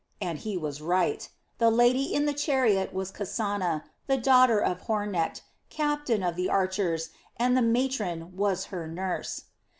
And he was right; the lady in the chariot was Kasana, the daughter of Hornecht, captain of the archers, and the matron was her nurse.